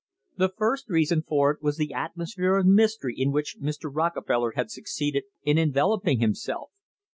The first reason for it was the atmosphere of mystery in which Mr. Rockefeller had succeeded in enveloping himself.